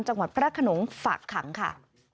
จังหวัดพระขนงฝากขังค่ะ